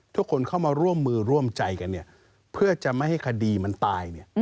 ทุกคนเข้ามาร่วมมือร่วมใจกันเนี่ยเพื่อจะไม่ให้คดีมันตายเนี่ย